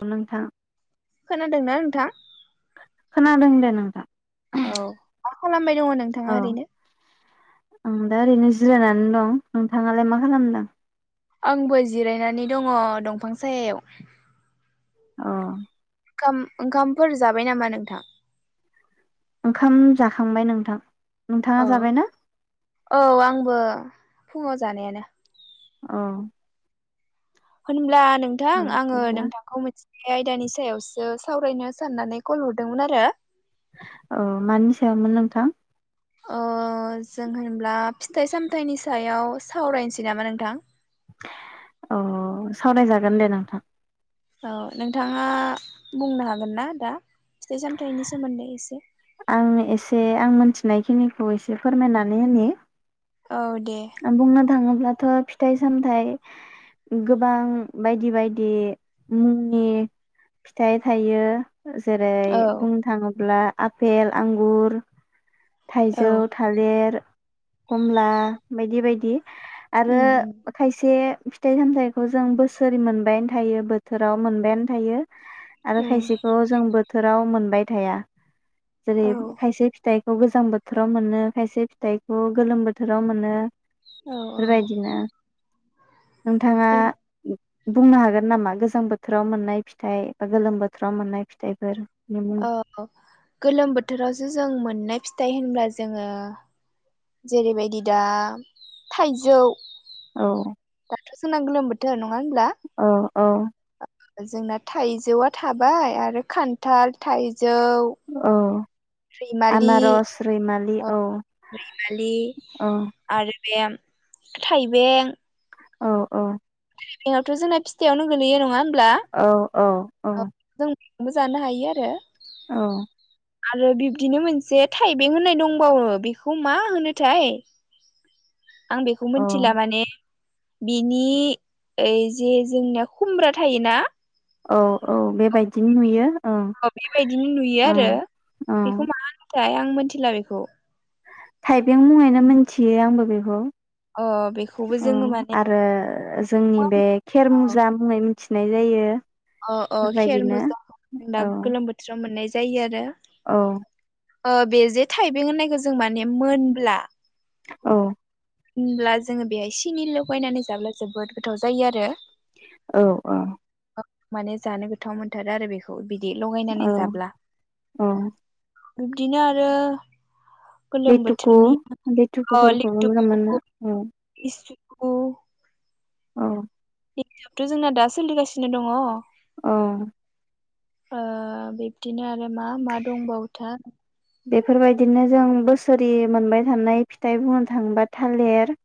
अ नोंथां खोनादोंना नोंथां? खोनादों दे नोंथां। औ मा खालामबाय दंङ औ नोंथाङा ओरैनो आं दा ओरैनो जिरायनानै दं नोंथाङालाय मा खालामदों? आंबो जिरायनानै दंङ दंफां सायायाव अ ओंखाम ओंखामफोर जाबाय नामा नोंथां? ओंखाम जाखांबाय नोंथां। नोंथाङा अ जाबायना औ आंबो फुंङाव जानायानो। अ होनब्ला नोंथां आंङो बिदिब्ला नोंथांखौ मोन बे आयदानि सायावसो सावरायनो साननानै कल हरदोंमोन आरो। औ मानि सायावामोन नोंथां? अ जों होनब्ला फिथाइ-सामथायाइनि सायाव सावरायनोसै नामा नोंथां? अ सावराय जागोन दे नोंथां। औ नोंथाङा बुंनो हागोन ना दा फिथाइ-सामथाइनि सोमोन्दै एसे? आं एसे आं मोनथिनायखिनिखौ एसे फोरमायनानै होनि औ दे बुंनो थांङोब्लाथ फिथाइ-सामथाइ गोबां बायदि बायदि मुंनि फिथाइ थाइयो। जेरै औ बुंनो थाङोब्ला आपेल, आंगुर औ थाइजौ, थालेर खमला बायदि बायदि आरो उम उम खायसे फिथाइ सामथाइखौ जों बोसोरै मोनबायानो थायो बोथोराव मोनबायानो थायो। आरो उम खायसेखौ जों बोथोराव मोन बाय थाया जेरै औ खायसे फिथाइ गोजां बोथोराव मोनो खायसे फिथाइखौ गोलोम बोथोराव मोनो। औ बेफोर बायदिनो नोंथाङा बुंनो हागोन नामा गोजां बोथोराव मोननाय फिथाइ बा गोलोम बोथोराव मोननाय फिथाइफोर औ गोलोम बोथोरावसो जों मोननाय फिथ फिथाइ होनब्ला जोङो जेरैबायदि दा थाइजौ औ जोंना गोलोम बोथोर नङा होनब्ला अ औ जोंना थाइजौआ थाबाय आरो खान्थाल थाइ जौ औ रैमालि आनारस रैमालि औ रैमालि औ आरो बे थाइबें औ औ बेंआथ जोंना फिथाइआवनो गोलैयो नङा हो औ औ औ बो जानो हायो आरो। औ आरो बिब्दिनो मोनसे थाइबें होननाय दंबावो बेखौ मा होनोथाय आं बेखौ औ मिथिला माने बिनि ओइ जे जोंनिया खुमब्रा थायोना औ औ बेबायदिनो नुयो ओं अ बेबायदिनो नुयो आरो ओं ओं बेखौ मा हो फाय आं मिथिला आरो बेखौ थाइबें मुङैनो मोनथियो आंबो बेखौ। अ बेखौबो ओ जोङो माने आरो जोंनि बे खेर मुजा होनाय खिनाय जायो अ अ खेर बेफोरबायदिनो मुजा होन औ गोलोम बोथोराव मोननाय जा जायो आरो औ बे जे थाइबें होननायखौ जों माने मोनब्ला औ होनब्ला जोङो बेहाय सिनि लगायनानै जाब्ला जोबोद गोथाव जायो आरो। औ औ माने जानो गोथाव मोनथारो आरो बेखौ बि दि लगायनानै औ जाब्ला औ बिब्दिनो आरो गोलोम लेटुकु बोथोरनि लेटुकुफोरखौबो मोजां मोनो औ इस कौ औ एबथ जोंना दा सोलिगासिनो दङ अ ओ बिब्दिनो आरो मा मा दंबावथा बेफोरबायदिनो जों बोसोरि मोनबाय थानाय फिथाइ बुंनो थाङोबा थालेर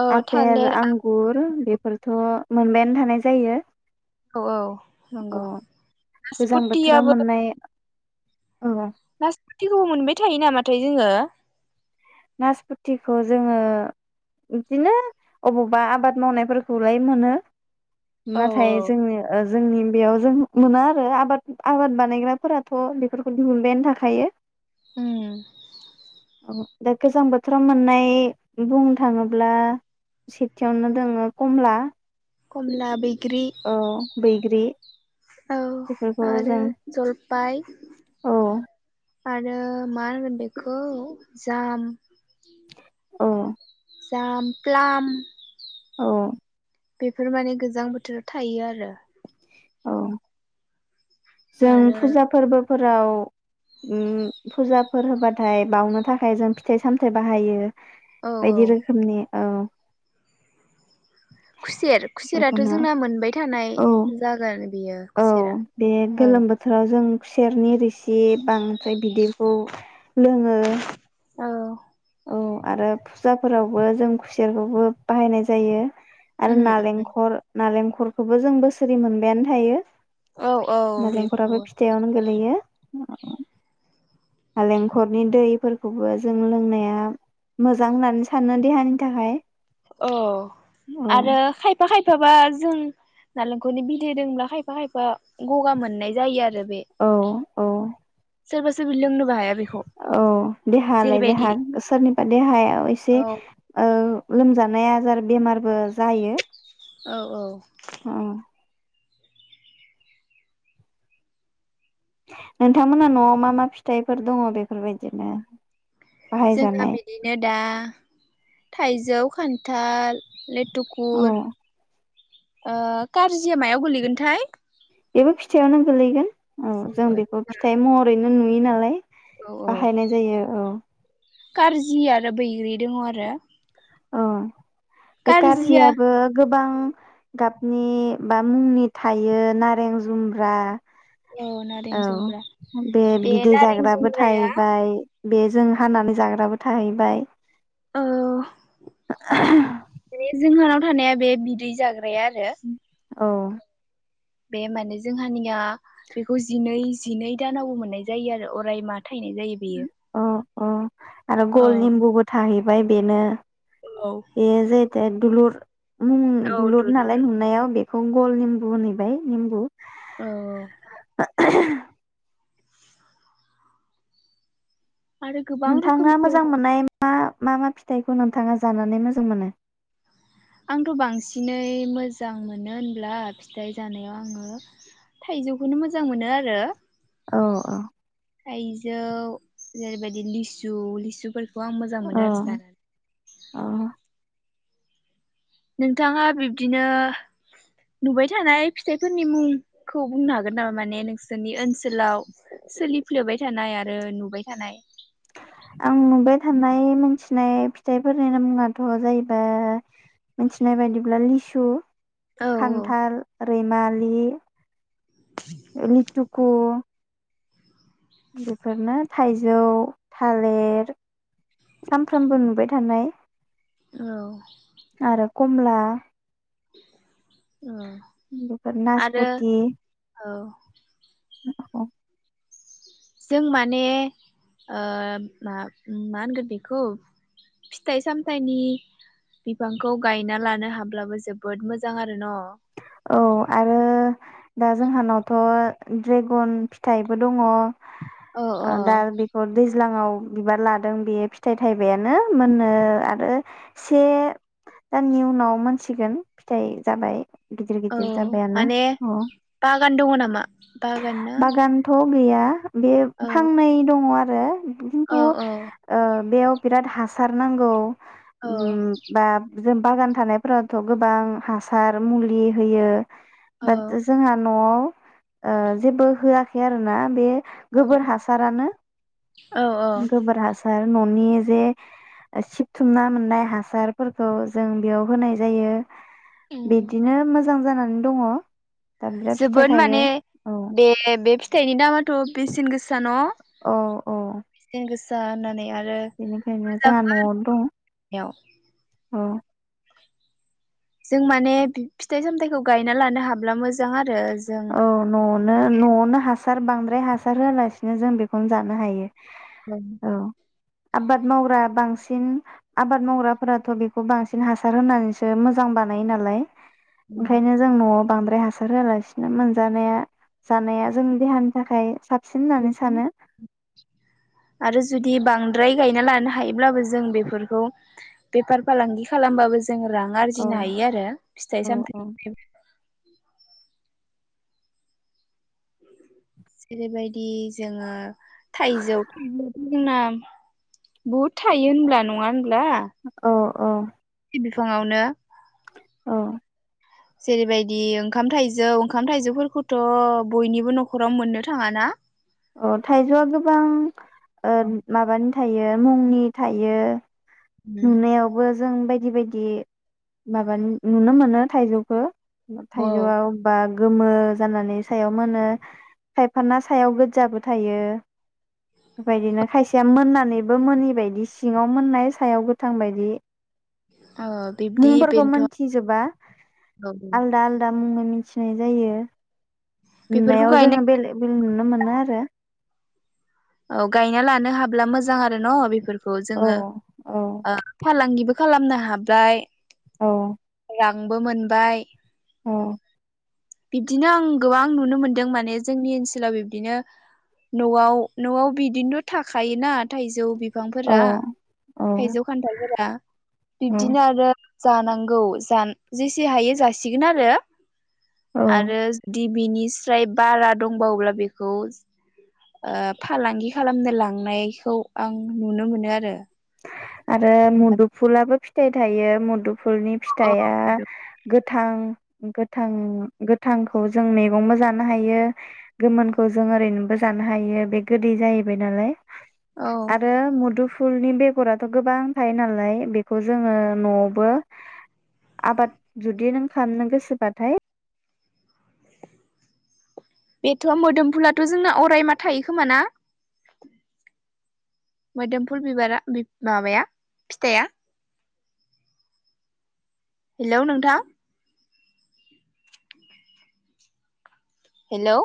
औ आपेल, थालिर आंगुर बेफोरथ मोनबायानो थानाय जायो औ औ नंगौ अ गोजां बोथोराव नासपुतियाबो मोननाय औ नासपुतिखौ मोनबाय थायो नामाथाय जोङो? नासपुतिखौ जोङो बिदिनो अबावबा आबाद मावनायफोरखौलाय मोनो औ नाथाय जोंनो ओ जोंनि बेयाव जों मोनो आरो आबाद आबाद बानायग्राफोराथ बेफोरखौ दिहुनबायानो थाखायो उम औ दा गोजां बोथोराव मोननाय बुंनो थाङोब्ला सेथियावनो दोङो कमला कमलाब बैग्रि औ बैग्रि औ बेफोरखौ आरो जों जलफाय औ आरो मा होनो बेखौ जाम अ जाम पलाम औ बेफोर माने गोजां बोथोराव थायो आरो औ जों आरो फुजा फोरबो फोराव उम फुजाफोर होबाथाय बावनो थाखाय जों फिथाइ सामथाइ बाहायो औ औ बायदि रोखोमनि औ खुसेर खुसेराथ बेखौनो जोंना मोनबाय थानाय औ जागोन बेयो औ बे गोलोम बोथोराव जों खुेरनि रोसि एसे बांद्राय बिदैखौ लोङो औ औ आरो फुजाफोरावबो जों खुसेरखौबो बाहायनाय जायो आरो उम उम नालेंखर नालेंख नख'रखोबो जों बोसोरै मोनबायानो थायो। औ औ नालेंख'राबो बेखौबो फिथायावनो गोलैयो। नालेंखरनि दैफोरखौबो जों लोंनाया मोजां होननानै सानना देहानि थाखाय औ अह आरो खायफा खायफाबा जों नालेंख'नि बिदै दोंब्ला खायफा खायफा गगा मोननाय जायो आरो बे औ औ सोरबा सोरबि लोंनोबो हाया बेखौ औ देहालाय जेरैबायदि देहा सोरनिबा देहाया एसे औ ओ लोमजा नाय आजार बेमारबो जायो। औ औ ओ नोंथांमोनहा न'आव मा मा फिथाइफोर दङ' बेफोरबायदिनो जोंहा बाहायजानाय बिदिनो दा थाइजौ खान्थाल लेथ औ थुकुर ओ कारजिया मायाव गोलैगोनथाय? बेबो फिथायावनो गोलैगोन। औ जों बेखौ फिथाइ महरैनो नु बे नालाय बाहायनाय जायो औ। कार्जि आरो बैग्रि दङ' आरो औ। बे कारजिया कार्जियाबो गो गोबां गाबनि बा मुंनि थायो नारें जुम्ब्रा औ नारें औ जुमब्रा बे बिदै नारें जाग्राबो जुमब्राया थाहैबाय बेजों हानानै जाग्राबो थाहैबाय औ। बे जोंहा थानाया बे बिदै जाग्राया आरो औ। बे माने जोंहानिया बेखौ जिनै जिनै दानावबो मोननाय जायो आरो अराय माह थायनाय जायो बेयो। अ अ आरो अ गल निमबुबो था ओमफाय बेनो औ ए जे दे दुलुर [inaudible] ओम दुलुर नालाय नुनायाव बे बेखौनो गल निम्बु होनबाय निम्बु‌ औ आरो गोबां नोंथाङा रोखोमनि दङ मोजां मोननाय मा मा मा फिथाइखौ नोंथाङा जानानै मोजां मोनो? आंथ' बांसिनै मोजां मोनो होनब्ला फिथाइ जानायाव आङो थाइजौखौनो मोजां मोनो आरो औ औ। जौ जेरैबायदि लिसु लिसुफोर अह अह नोंथाङा बिब्दिनो नुबाय थानाय फिथाइफोरनि मुंखौ बुंनो हागोन नामा माने नोंसोरनि ओनसोलाव सोलिफ्लेबाय थानाय आरो नुबाय थानाय। आं नुबाय थानाय मोनथिनाय फिथाइफोरनि मुङाथ जाहैबाय मिथिनाय बायदिब्ला लिसु औ खान्थाल, रैमा लि लिथुखु बेफोरनो थाइजौ थालेर सामफ्रोमबो नुबाय थानाय आरो औ कमला औ आरो नासफटि औ [inaudible] जों माने मा मा होनगोन बेखौ फिथाइ सामथाइनि बिफांखौ गायना लानो हाब्लाबो जोबोद मोजां आरो न औ आरो दा जोंहानावथ ड्रेगन फिथाइबो दङ अ अ दा बिफर दै ज्लाङाव बिबार लादों बेयो फिथाइ थाइबायानो मोननो आरो से दाननि उनाव मोन सिगोन फिथाइ जाबाय गिदिर औ गिदिर जाबायानो माने अ बागान दङ नामा बागान ना बागानथ' गैया बे औ फांनै दङ आरो रो खिन्थु औ औ बेयाव बिराद हास खार नांगौ औ ओम बा जों बागान थानायफोरावथ' गोबां हासार मुलि होयो। औ दाथ' जोंहा नआव ओ जेबो होआखै आरोना बे गोबोर हासारानो औ गोबोर हासार ननि जे सिबथुमना मोननाय हासारफोरखौ जों बेयाव होनाय जायो। उम ओम दङ दा बिराद फिथाइ जोबोद थायो माने औ बे बे फिथाइनि दामाथ' बेसेन गोस सा न'? औ औ बेसेन गोस सा होननानै आ बेनिखायनो जोंहा न'आवनो दं औ जों माने फिथाइ सामथायाइखौ गायना लानो हाब्ला मोजां आरो जों औ न'नो न'आवनो हा सार बांद्राय हासार होआलासिनो जों बेखौनो जानो हायो। औ आबाद मावग्रा बांसिन आबाद मावग्राफोराथ' बेखौ बांसिन हासार होनानैसो मोजां बानायो नालाय। ओंखायनो जों न'आव बांद्राय हासार होआलासि नो मोनजानाया जानाया जोंनि देहानि थाखाय सा आरो जुदि बां द्राय गायना लानो हायोब्लाबो जों बेफोरखौ बेफार फालांगि खालामबाबो जों जों रां औ आरजिनो हायो आरो फिथाइ औ सामथाय निफ्रायबो जेरैबायदि जोङो थाइजौ [unintelligible] बहुद थायो होनब्ला नङा होनब्ला औ औ बिफाङावनो औ जेरैबायदि ओंखाम थाइजौ ओंखाम थाइजौफोरखौथ' बयनिबो न'खराव मोननो थाङाना। अ थाइजौआ गोबां ओ माबानि थायो मुंनि थायो। नुनायावबो जों बाय दिबायदि माबा नुनो मोनो थाइजौखो। औ थाइजौआव बा गोमो जानानै सायाव मोनो खायफाना सायाव गोजाबो थायो बेबायदिनो खायसेया मोननानैबो मोनोनिबायायदि सिङाव मोननाय सा सायाव गोथां बायदि ओ बिब्दि मुंफोरखौ बेन्थन मोन्थिजोबा औ आलदा आलदा मुंङै थिनाय जायो बेफोरखौ नुनायाव गायनो जोङो बेलेग बेलेग नुनो मोनो आरो। औ गायना लानो हाब्ला मोजां आरो न बेफोरख [unintelligible] औ जोङो औ ओ फालांगि [unintelligible] खालामनो हाबाय औ दांबो मोनबाय अ बिब्दिनो आं गोबां नुनो मोनदों माने जोंनि ओनसोलाव बिब्दिनो न'आव न'आव बिदिनोथ थाखायोना थाइजौ बि औ बिफांफोरा थाइजौ खान्थालफोरा औ बिब्दिनो आरो जानांगौ जान जेसे हायो जासिगोन आरो। औ आरो दि बिनिस्राय बारा दंबावोब्ला बेखौ ओ फालांगि खालामनो लांनायखौ आं नुनो मोनो आरो। आरो मुदुफुलाबो फिथाइ थायो मुदु फुलनि फिथाइया थां गोथां गोथांखौ जों मैगंबो जानो हायो गोमोनखौ जों ओरैनोबो जानो हायो बे गोदै जाहैबाय नालाय। औ आरो मदुफ फुलनि बेग गराथ गोबां थायो नालाय बेखौ जोङो न'आवबो आबाद जुदि नों खामनो गोसोबाथाय बेथ मोदोमफुलाथ जोंना अरायमा थायो खोमा ना? मोदोमफु बिबारा बि-माबाया फिथाइआ हेलौ नोंथां। हेलौ